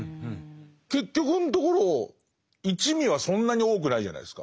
結局のところ一味はそんなに多くないじゃないですか。